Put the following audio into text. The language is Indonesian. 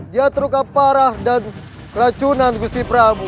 dia terluka parah dan keracunan besi prabu